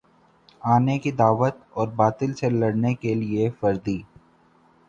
آنے کی دعوت اور باطل سے لڑنے کے لیے فردی